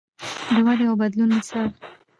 د ودې او بدلون مثال.